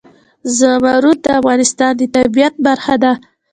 زمرد د افغانستان د طبیعت برخه ده.